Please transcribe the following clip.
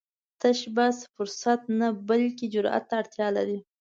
تشبث فرصت نه، بلکې جرئت ته اړتیا لري